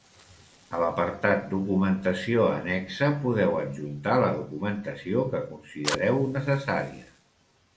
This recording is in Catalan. A l'apartat "Documentació annexa" podeu adjuntar la documentació que considereu necessària.